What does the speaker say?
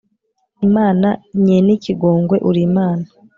imana nyen'ikigongwe, uri imana